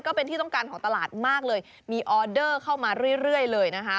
ก็เป็นที่ต้องการของตลาดมากเลยมีออเดอร์เข้ามาเรื่อยเลยนะคะ